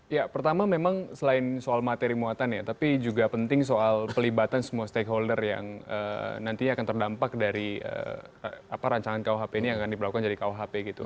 ya pertama memang selain soal materi muatan ya tapi juga penting soal pelibatan semua stakeholder yang nantinya akan terdampak dari rancangan kuhp ini yang akan diperlakukan jadi kuhp gitu